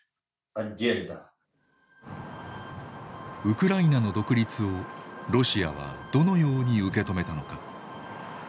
ウクライナの独立をロシアはどのように受け止めたのか。